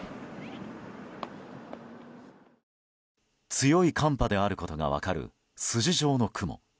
強い寒波であることが分かる筋状の雲。